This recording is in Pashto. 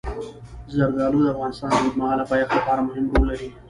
زردالو د افغانستان د اوږدمهاله پایښت لپاره مهم رول لري.